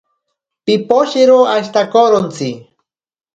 Piposhero ashitakorontsi.